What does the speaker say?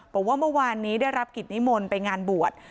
บอกว่าเมื่อวานนี้ได้รับกิจนิมนต์ไปงานบวช